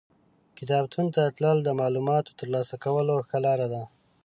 کتابتون ته تلل د معلوماتو ترلاسه کولو ښه لار ده.